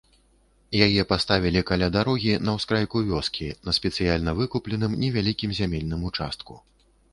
Яе паставілі каля дарогі на ўскрайку вёскі на спецыяльна выкупленым невялікім зямельным участку.